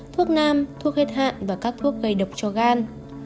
thuốc nam thuốc hết hạn và các thuốc gây độc cho gan